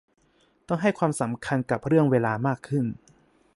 ต้องให้ความสำคัญกับเรื่องเวลามากขึ้น